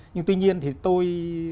nhưng tuy nhiên thì tôi